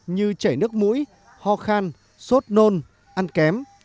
như chảy nước mũi ho khan sốt nôn ăn kém